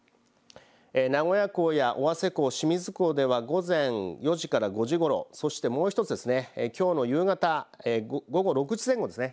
名古屋港や尾鷲港、清水港では午前４時から５時ごろそしてもう１つですね、きょうの夕方、午後６時前後ですね